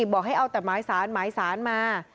บอกให้เอาแต่ไม้สานไม้สานมา